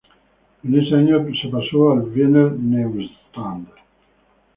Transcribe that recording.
En ese año se pasó al Wiener Neustadt.